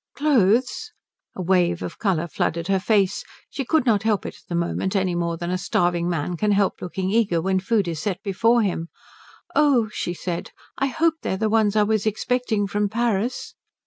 "Clothes?" A wave of colour flooded her face. She could not help it at the moment any more than a starving man can help looking eager when food is set before him. "Oh," she said, "I hope they're the ones I was expecting from Paris?"